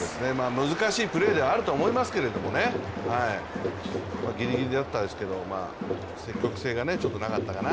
難しいプレーではあると思いますけどギリギリであったですけれども、積極性がなかったかな。